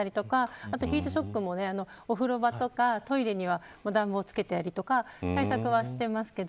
あとヒートショックもお風呂場とかトイレには暖房を付けたりとか対策はしてますけど。